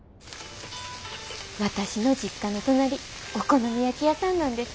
私の実家の隣お好み焼き屋さんなんです。